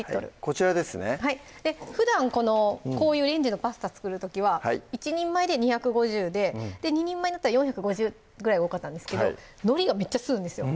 こちらですねふだんこのこういうレンジのパスタ作る時は１人前で２５０で２人前だったら４５０ぐらい多かったんですけどのりがめっちゃ吸うんですよ